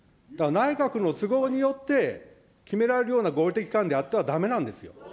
内閣の都合によって決められるような合理的期間であったらだめなんですよ。